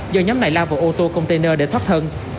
do nhóm này lao vào ô tô container để thoát thân